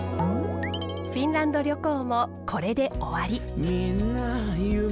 フィンランド旅行もこれで終わり。